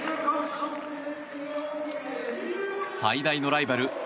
最大のライバル